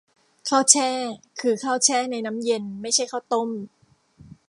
ข้าวแช่ คือข้าวแช่ในน้ำเย็น ไม่ใช่ข้าวต้ม